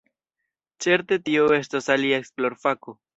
Certe tio estos alia esplorfako.